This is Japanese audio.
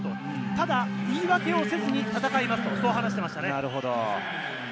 ただ言い訳をせずに戦いますと話していました。